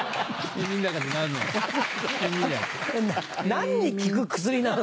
何に効く薬なの？